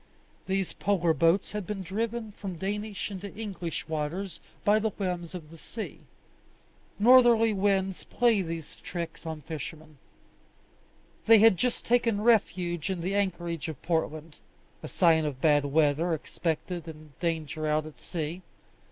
These polar boats had been driven from Danish into English waters by the whims of the sea. Northerly winds play these tricks on fishermen. They had just taken refuge in the anchorage of Portland a sign of bad weather expected and danger out at sea.